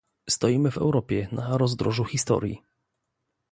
Stoimy w Europie na rozdrożu historii